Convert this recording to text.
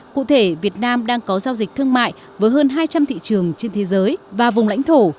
cụ thể việt nam đang có giao dịch thương mại với hơn hai trăm linh thị trường trên thế giới và vùng lãnh thổ